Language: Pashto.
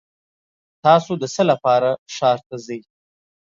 تاسو د څه لپاره ښار ته ځئ؟